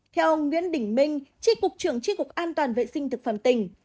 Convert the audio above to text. theo ông nguyễn đỉnh minh trị cục trưởng trị cục an toàn vệ sinh thực phẩm tỉnh